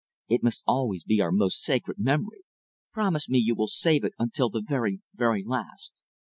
It must always be our most sacred memory. Promise me you will save it until the very, very last."